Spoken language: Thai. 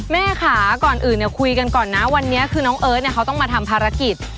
แม่ค่ะก่อนอื่นเนี่ยคุยกันก่อนนะวันนี้คือน้องเอิร์ทเนี่ยเขาต้องมาทำภารกิจ